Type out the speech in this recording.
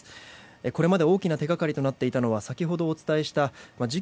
これまで大きな手掛かりとなっていたのは先ほどお伝えした事件